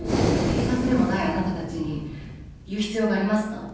警察でもないあなたたちに言う必要がありますか？